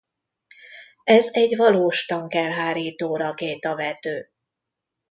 Ez egy valós tank-elhárító rakétavető.